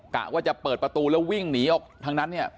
กะว่าจะเปิดประตูแล้ววิ่งหนีออกทางนั้นเนี่ย